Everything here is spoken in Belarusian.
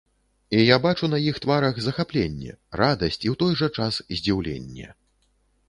І я бачу на іх тварах захапленне, радасць і ў той жа час здзіўленне.